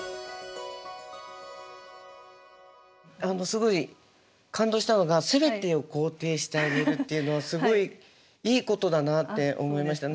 すごい感動したのがすべてを肯定してあげるっていうのはすごいいいことだなって思いました。